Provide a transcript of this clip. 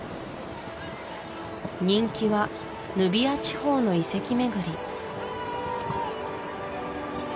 人気はヌビア地方の遺跡巡り